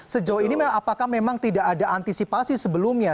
sejauh ini apakah memang tidak ada antisipasi sebelumnya